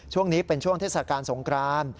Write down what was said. ช่วงนี้เป็นช่วงเทศกาลสงคราน